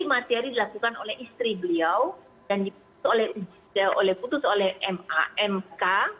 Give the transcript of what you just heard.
jadi dilakukan oleh istri beliau dan putus oleh mamk